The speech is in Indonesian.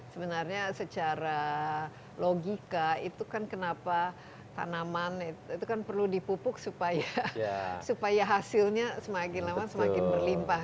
sebenarnya secara logika itu kan kenapa tanaman itu kan perlu dipupuk supaya hasilnya semakin lama semakin berlimpah